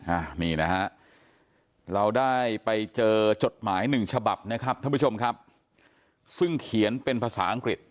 อ่านี่นะฮะเราได้ไปเจอจดหมายหนึ่งฉบับนะครับท่านผู้ชมครับซึ่งเขียนเป็นภาษาอังกฤษ